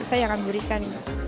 saya akan berikan